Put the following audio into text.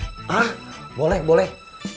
hah boleh boleh